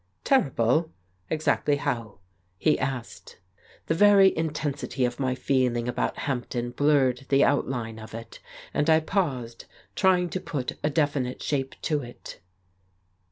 "Terrible? Exactly how?" he asked. The very intensity of my feeling about Hampden blurred the outline of it, and I paused trying to put a definite shape to it.